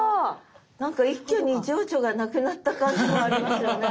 何か一挙に情緒がなくなった感じもありますよね。